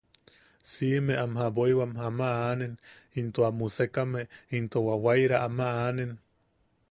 Siʼime am jaboiwam ama aanen, into am usekame into wawaira ama aanen.